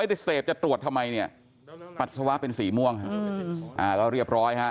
ได้เสพจะตรวจทำไมเนี่ยปัสสาวะเป็นสีม่วงฮะก็เรียบร้อยฮะ